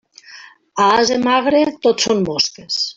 A ase magre, tot són mosques.